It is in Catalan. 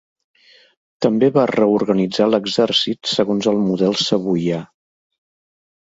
També va reorganitzar l'exèrcit segons el model savoià.